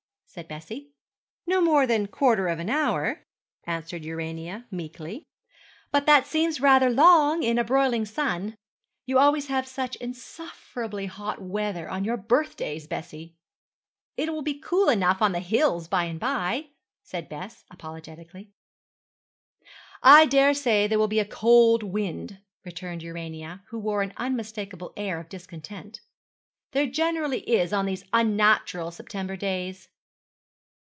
said Bessie. 'Not more than a quarter of an hour,' answered Urania, meekly; 'but that seems rather long in a broiling sun. You always have such insufferably hot weather on your birthdays, Bessie.' 'It will be cool enough on the hills by and by,' said Bess, apologetically. 'I daresay there will be a cold wind,' returned Urania, who wore an unmistakable air of discontent. 'There generally is on these unnatural September days.'